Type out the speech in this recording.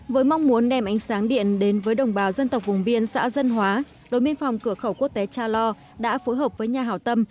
với mong muốn đem ánh sáng điện đến với đồng bào dân tộc vùng biên xã dân hóa đội biên phòng cửa khẩu quốc tế cha lo đã phối hợp với nhà hảo tâm